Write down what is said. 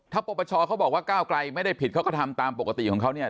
ถ้าปปชเขาบอกว่าก้าวไกลไม่ได้ผิดเขาก็ทำตามปกติของเขาเนี่ย